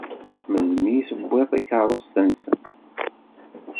Melmi i tewwiḍ takeṛṛust-nsent?